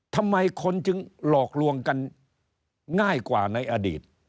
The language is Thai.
ทำไมคนจึงหลอกลวงกันง่ายกว่าในอดีต